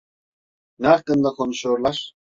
Ne hakkında konuşuyorlar?